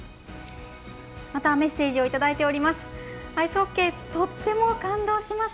またメッセージをいただいております。